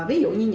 ví dụ như